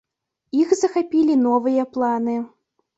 Іх захапілі новыя планы.